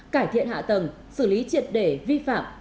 cải thiện hạ tầng xử lý triệt để vi phạm